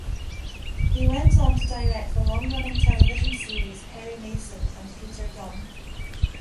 He went on to direct the long-running television series "Perry Mason" and "Peter Gunn".